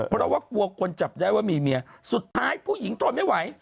เพราะว่ากลัวคนจับได้ว่ามีเมียสุดท้ายผู้หญิงทนไม่ไหว